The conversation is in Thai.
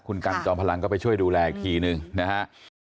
คุณกันจอมพลังก็ไปช่วยดูแลอีกทีหนึ่งนะฮะ